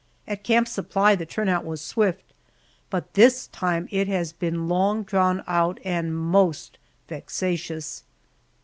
At Camp Supply the turn out was swift, but this time it has been long drawn out and most vexatious.